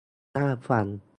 น่าฟัง